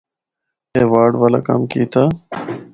ایوارڈ والا کم کیتا۔